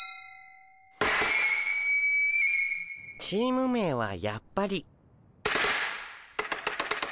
チーム名はやっぱり。